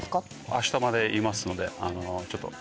明日までいますのでちょっと。